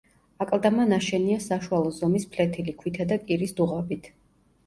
აკლდამა ნაშენია საშუალო ზომის ფლეთილი ქვითა და კირის დუღაბით.